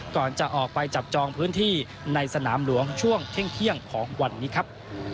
ก่อนจะออกไปจับจองพื้นที่ในสนามหลวงช่วงเที่ยงของวันนี้ครับ